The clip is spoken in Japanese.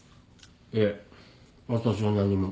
いえ私は何も。